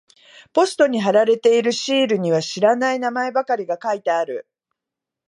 ポストに貼られているシールには知らない名前ばかりが書いてある。